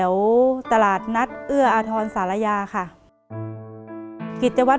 เปลี่ยนเพลงเพลงเก่งของคุณและข้ามผิดได้๑คำ